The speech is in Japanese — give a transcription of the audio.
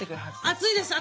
熱いです。